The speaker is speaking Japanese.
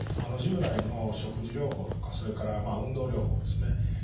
従来の食事療法とかそれから運動療法ですね